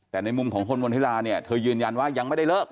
แต่ในมุมของคนมณธิราเธอยืนยันว่ายังไม่ได้เลิก